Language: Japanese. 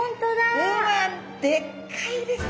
うわっでっかいですね。